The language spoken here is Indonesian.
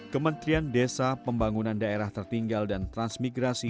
kementerian desa pembangunan daerah tertinggal dan transmigrasi